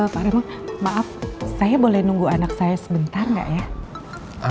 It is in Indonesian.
pak remo maaf saya boleh nunggu anak saya sebentar nggak ya